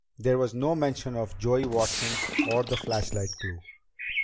There was no mention of Joey Watson or the flashlight clue.